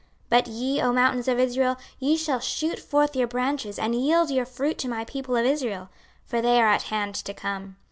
26:036:008 But ye, O mountains of Israel, ye shall shoot forth your branches, and yield your fruit to my people of Israel; for they are at hand to come.